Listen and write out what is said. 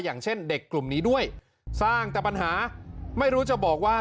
อย่างเช่นเด็กกลุ่มนี้ด้วยสร้างแต่ปัญหาไม่รู้จะบอกว่า